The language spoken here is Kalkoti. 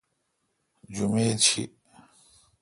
جمیت شی۔